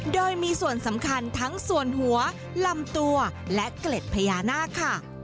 โดยมีส่วนสำคัญทั้งส่วนหัวลำตัวและเกล็ดพญานาคค่ะ